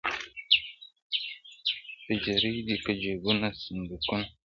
تجرۍ دي که جېبونه صندوقونه؛